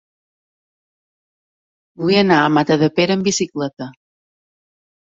Vull anar a Matadepera amb bicicleta.